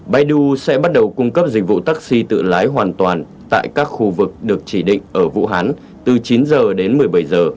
bay du sẽ bắt đầu cung cấp dịch vụ taxi tự lái hoàn toàn tại các khu vực được chỉ định ở vũ hán từ chín giờ đến một mươi bảy giờ